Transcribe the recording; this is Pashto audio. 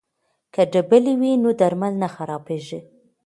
که ډبلي وي نو درمل نه خرابېږي.